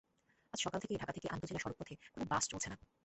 আজ সকাল থেকে ঢাকা থেকে আন্তজেলা সড়কপথে কোনো বাস চলছে না।